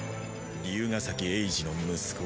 竜ヶ崎エイジの息子